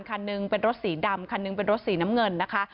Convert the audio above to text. คันหนึ่งเป็นรถสีดำคันหนึ่งเป็นรถสีน้ำเงินนะคะ